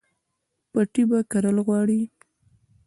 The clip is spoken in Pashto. پټی به کرل غواړي